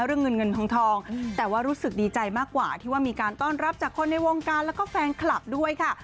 เรื่องเงินเงินทองแต่ว่ารู้สึกดีใจมากกว่าที่ว่ามีการต้อนรับจากคนในวงการแล้วก็แฟนคลับด้วยค่ะ